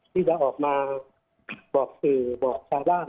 ที่จะออกมาบอกสื่อบอกชาวบ้าน